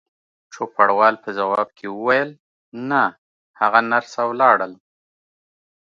چوپړوال په ځواب کې وویل: نه، هغه نرسه ولاړل.